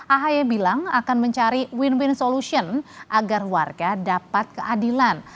ahy bilang akan mencari win win solution agar warga dapat keadilan